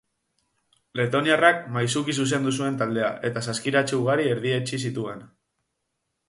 Letoniarrak maisuki zuzendu zuen taldea eta saskiratze ugari erdietsi zituen.